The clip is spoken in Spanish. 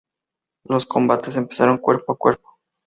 Los combates empezaron cuerpo a cuerpo.